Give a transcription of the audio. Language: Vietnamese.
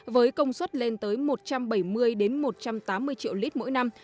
với công suất lên tới một trăm bảy mươi một trăm tám mươi triệu lít mỗi năm